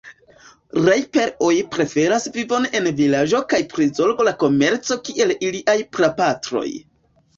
Rajper-oj preferas vivon en vilaĝo kaj prizorgo la komerco kiel iliaj prapatroj.